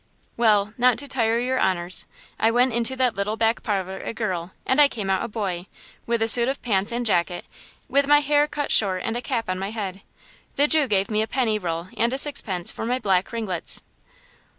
"Well, not to tire your honors, I went into that little back parlor a girl and I came out a boy, with a suit of pants and jacket, with my hair cut short and a cap on my head! The Jew gave me a penny roll and a sixpence for my black ringlets."